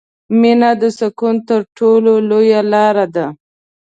• مینه د سکون تر ټولو لویه لاره ده.